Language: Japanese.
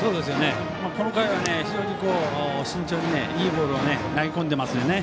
この回は非常に慎重にいいボールを投げ込んでますよね。